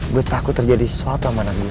gue takut terjadi sesuatu sama anak gue